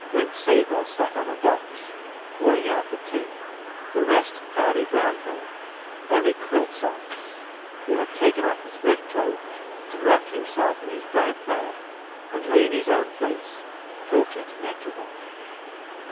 Rintzeva sat on a box pouring out the tea. The rest crowded round her, only Kryltzoff, who had taken off his wet cloak and wrapped himself in his dry plaid and lay in his own place talking to Nekhludoff.